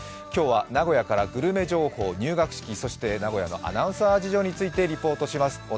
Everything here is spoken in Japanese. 今日は名古屋からグルメ情報入学式、そして名古屋のアナウンサー事情についてリポートします。